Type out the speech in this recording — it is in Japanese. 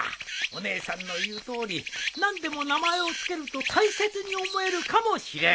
お姉さんの言うとおり何でも名前を付けると大切に思えるかもしれん。